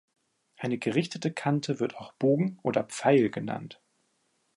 Eine gerichtete Kante wird auch „Bogen“ oder „Pfeil“ genannt.